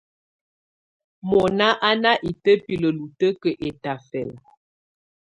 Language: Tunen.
Mɔ̀ná à ná itǝ́bilǝ́ lutǝ́kǝ́ ɛtafɛla.